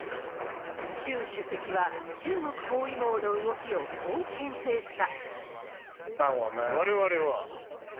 習主席は、中国包囲網の動きをこうけん制した。